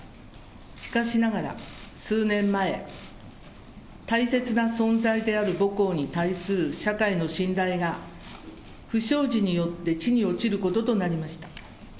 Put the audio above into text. しかしながら、数年前、大切な存在である母校に対する社会の信頼が不祥事によって地に落ちることとなりました。